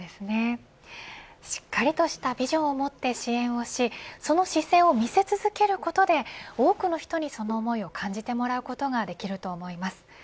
しっかりとしたビジョンを持って支援をしその姿勢を見せ続けることで多くの人にその思いを感じてもらうことができると思います。